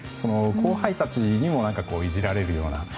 後輩たちにもいじられるような。